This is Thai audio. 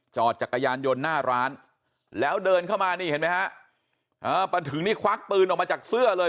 จอดจักรยานยนต์หน้าร้านแล้วเดินเข้ามานี่เห็นไหมฮะมาถึงนี่ควักปืนออกมาจากเสื้อเลย